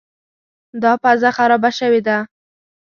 دا پزه خرابه شوې ده.